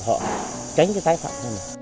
họ tránh cái tái phạm